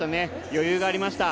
余裕がありました。